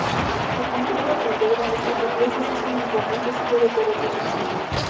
El complejo que integran estas iglesias es un importante sitio de peregrinación.